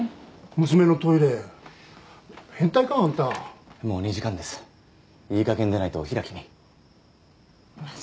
娘のトイレ変態か？あんたもう２時間ですいいかげん出ないとお開きにまあ